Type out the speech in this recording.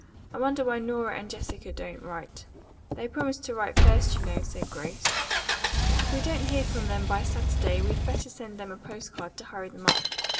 I wonder why Nora and Jessica don't write." "They promised to write first, you know," said Grace. "If we don't hear from them by Saturday we'd better send them a postcard to hurry them up.